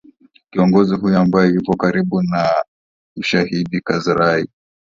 kiongozi huyo ambaye yupo karibu na rais hamid karzai